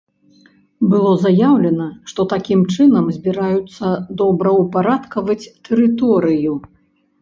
Было заяўлена, што такім чынам збіраюцца добраўпарадкаваць тэрыторыю.